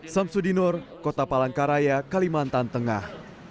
sam sudinur kota palangkaraya kalimantan tengah